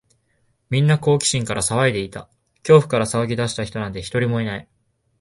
みんな好奇心から騒いでいた。恐怖から騒ぎ出した人なんて、一人もいない。